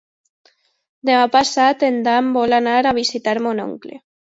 Demà passat en Dan vol anar a visitar mon oncle.